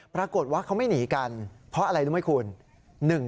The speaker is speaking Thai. ปรากฏว่าเขาไม่หนีกันเพราะอะไรรู้ไหมคุณ